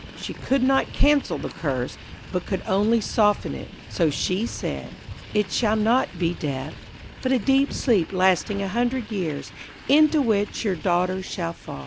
She could not cancel the curse, but could only soften it, so she said: 'It shall not be death, but a deep sleep lasting a hundred years, into which your daughter shall fall.'